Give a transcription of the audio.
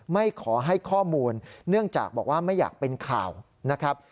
ไม่ขอให้ข้อมูลเนื่องจากบอกว่าไม่อยากเป็นข่าวนะครับ